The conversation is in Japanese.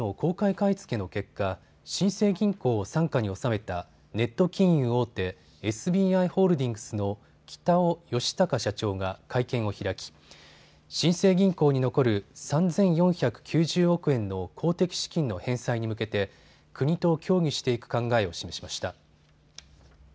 買い付けの結果、新生銀行を傘下に収めたネット金融大手、ＳＢＩホールディングスの北尾吉孝社長が会見を開き新生銀行に残る３４９０億円の公的資金の返済に向けて国と協議していく考えを示しました。